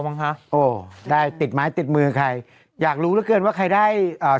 พี่ป๊อบได้สองปีเวาะหรอ